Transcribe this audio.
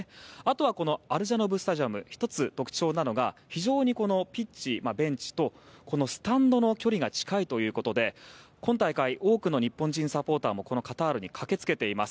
このアルジャノブ・スタジアム１つ特徴なのが非常にピッチ、ベンチとスタンドの距離が近いということで今大会多くの日本人サポーターもこのカタールに駆けつけています。